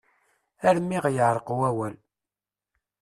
Armi ɣ-yeεreq wawal.